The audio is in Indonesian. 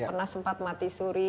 pernah sempat mati suri